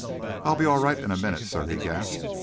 "I'll be all right in a minute, sir," he gasped.